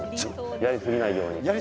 やりすぎないように。